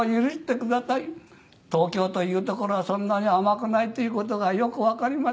「東京という所はそんなに甘くないという事がよくわかりました」